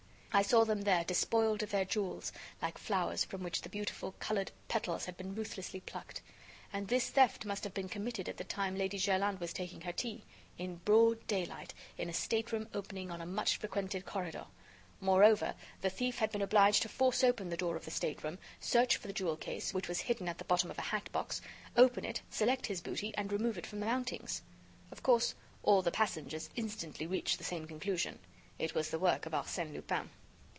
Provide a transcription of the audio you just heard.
I saw them there, despoiled of their jewels, like flowers from which the beautiful colored petals had been ruthlessly plucked. And this theft must have been committed at the time Lady Jerland was taking her tea; in broad daylight, in a stateroom opening on a much frequented corridor; moreover, the thief had been obliged to force open the door of the stateroom, search for the jewel case, which was hidden at the bottom of a hat box, open it, select his booty and remove it from the mountings. Of course, all the passengers instantly reached the same conclusion; it was the work of Arsène Lupin.